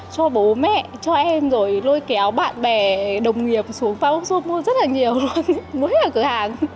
cho bố mẹ cho em rồi lôi kéo bạn bè đồng nghiệp xuống babasub mua rất là nhiều luôn mới ở cửa hàng